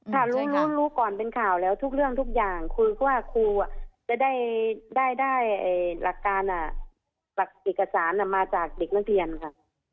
ค่ะรู้รู้ก่อนเป็นข่าวแล้วทุกเรื่องทุกอย่างคุยก็ว่าครูจะได้หลักการหลักเอกสารมาจากเด็กนักเรียนค่ะ